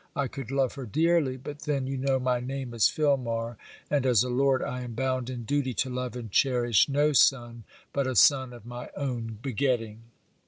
I could love her dearly; but then you know my name is Filmar, and as a Lord I am bound in duty to love and cherish no son but a son of my own begetting.